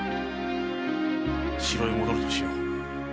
城へ戻るとしよう。